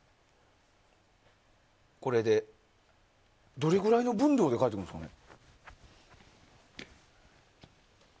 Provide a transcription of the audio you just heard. どれぐらいの分量で書いてくるんですかね。